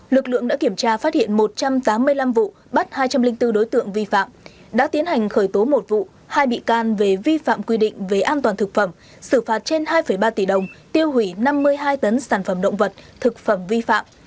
lực lượng đã kiểm tra phát hiện một trăm tám mươi năm vụ bắt hai trăm linh bốn đối tượng vi phạm đã tiến hành khởi tố một vụ hai bị can về vi phạm quy định về an toàn thực phẩm xử phạt trên hai ba tỷ đồng tiêu hủy năm mươi hai tấn sản phẩm động vật thực phẩm vi phạm